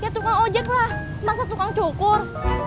ya tukang ojek lah masak tukang cukur